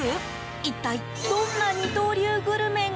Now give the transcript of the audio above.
一体、どんな二刀流グルメが。